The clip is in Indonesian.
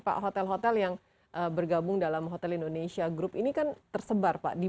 pak hotel hotel yang bergabung dalam hotel indonesia group ini kan tersebar pak